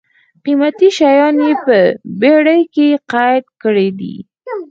قېمتي شیان یې په بېړۍ کې قید کړي دي.